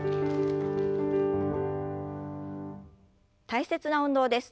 大切な運動です。